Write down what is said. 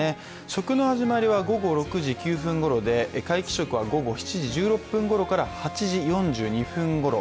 食の始まりは午後６時９分ごろで皆既食は午後７時１６分ごろから８時４２分ごろ。